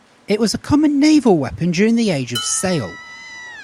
It was a common naval weapon during the Age of Sail.